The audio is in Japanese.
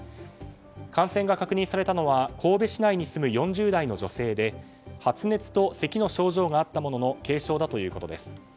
感染が確認されたのは神戸市内に住む４０代の女性で発熱とせきの症状があったものの軽症だということです。